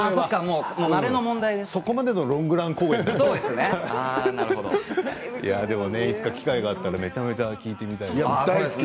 そこまでのロングラン公演がいつか機会があったらめちゃめちゃ聴いてみたいです。